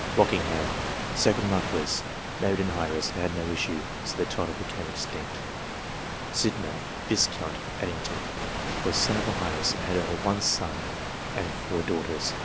Rockingham, 2d Marquis. Married an heiress, and had no issue ; so the title became extinct. Sidmouth, Viscount (Addington). Was son of an heiress, and he had only one son and four daughters.